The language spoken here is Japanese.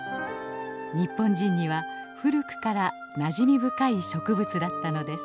日本人には古くからなじみ深い植物だったのです。